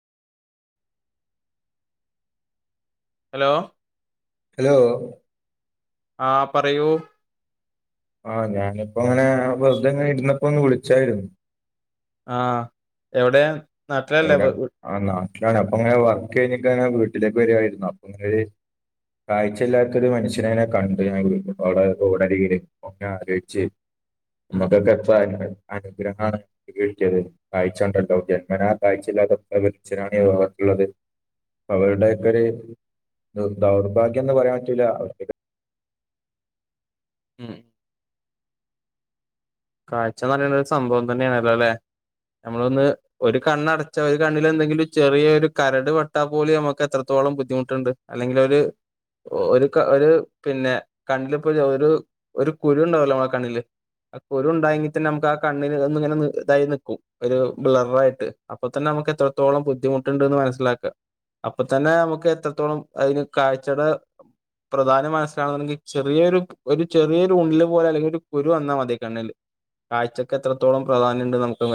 hello hello ആ പറയൂ ആഹ ഞാനിപ്പോ അങ്ങനെ ആ വെറുതെ എങ്ങനെ ഇുന്നപ്പോ ഒന്ന് വിളിച്ചായിരുന്നു ആഹ് എവിടെ നാട്ടിലല്ലേ എവിടെ വ- വ- ആല്ല അപ്പൊ അങ്ങനെ വക്ക് കഴിഞ്ഞെ വീട്ടിലേക്ക് വരുമായിരുന്നു അപ്പൊ അങ്ങനെ ഒരു കാഴ്ചല്ലാത്തത് മനുഷ്യനെ എന്നെ കണ്ട ഞാൻടെ ഓട ര ഒെ ആലോചിച്ചച്ച് മകകത്വ അനുഗ്രഹം കീഴിച്ചത് വായിച്ചണ്ടല്ലോ ജന്മനാ കാഴ്ചില്ലാത്തൊ വലിച്ചനാണ്കത്തുള്ളത് അവരുടെയൊക്കെ ഒരു ദൗർഭാഗ്യം എന്ന് പറയാൻ പറ്റല അവർക്കെ ഉം കാഴ്ച പറയുന്ന ഒരു സംഭവം തന്നെയാണല്ലോ അല്ലെ നമ്മളൊന്ന് ഒരു കണ്ണടച്ചാ ഒര് കണ്ണിലെന്തെങ്കിലും ചെറിയാെര് കരട് പെട്ടാ പോലും ഞമ്മക്ക് എത്രത്തോ ളം ബുദ്ധിമുട്ട്ണ്ട് അല്ലെങ്കിലൊര് ഒരു ക ഒര് പിന്നെ കണ്ണ്ല്‌പ്പ ഒര് ഒരു കുരുണ്ടാവല്ലോ മ്മളെ കണ്ണില് അ ഒരു ണ്ടായെങ്കി തന്നെ നമ്ക്കാ കണ്ണ്ന് ഒന്ന്ങ്ങനെ ന് തായി ന്ക്കും ഒര് ബ്ലർറായ്ട്ട് അപ്പൊ തന്നെ നമുക്ക് എത്ര ത്രത്തോളം ബുദ്ധിമുട്ട്ണ്ട്ന്ന് മനസ്സ്ലാക്കാ അപ്പ തന്നേ നമുക്ക് എത്രത്തോളം അതിന് കാഴ്ച്ചെടെ പ്രധാനം മനസ്സ്ലാവണമെങ്കി ചെറ്യേരു ഒരു ചെറിയൊര് ഉൺല് പോലെ അല്ലെങ്കി ഒരു കുരു വന്നാ മതി കണ്ണ്ല് കാഴ്ച്ചെക്കെത്രത്തോളം പ്രധാന്യണ്ട് നമുക്കത് മ